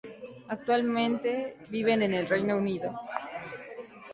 Actualmente viven en el Reino Unido.